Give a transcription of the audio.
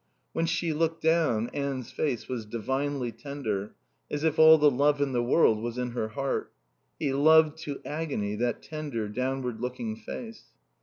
When she looked down Anne's face was divinely tender, as if all the love in the world was in her heart. He loved to agony that tender, downward looking face.